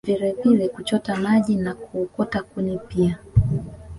Vilevile kuchota maji na kuokota kuni pia